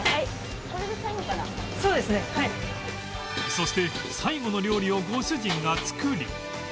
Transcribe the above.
そして最後の料理をご主人が作り